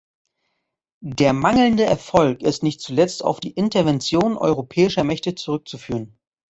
Der mangelnde Erfolg ist nicht zuletzt auf die Interventionen europäischer Mächte zurückzuführen.